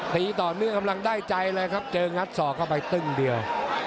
ตีต่อเนื่องกำลังได้ใจเลยครับเจองัดศอกเข้าไปตึ้งเดียว